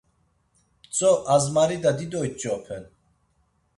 Mtzo azmarida dido iç̌open.